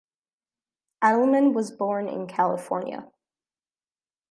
Adleman was born in California.